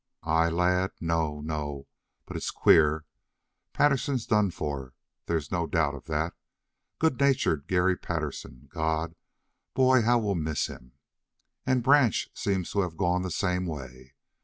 "I, lad? No, no! But it's queer. Patterson's done for; there's no doubt of that. Good natured Garry Patterson. God, boy, how we'll miss him! And Branch seems to have gone the same way.